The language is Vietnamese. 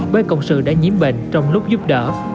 bởi cộng sự đã nhiễm bệnh trong lúc giúp đỡ